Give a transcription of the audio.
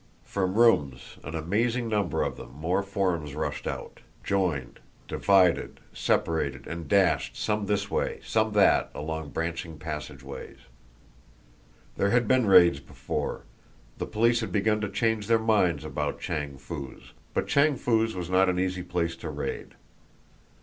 From rooms, an amazing number of them, more forms rushed out, joined, divided, separated, and dashed, some this way, some that, along branching passageways. There had been raids before, the police had begun to change their minds about Chang Foo's, but Chang Foo's was not an easy place to raid.